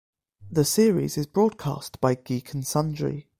The series is broadcast by Geek and Sundry.